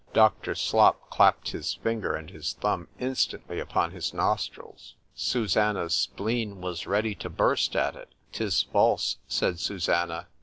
——Doctor Slop clapped his finger and his thumb instantly upon his nostrils;——Susannah's spleen was ready to burst at it;——'Tis false, said _Susannah.